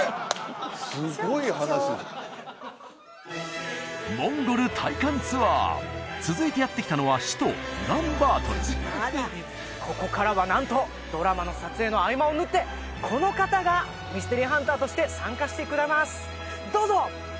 すごい話モンゴル体感ツアー続いてやって来たのはここからはなんとドラマの撮影の合間を縫ってこの方がミステリーハンターとして参加してくれますどうぞ！